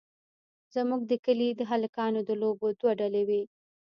زموږ د کلي د هلکانو د لوبو دوه ډلې وې.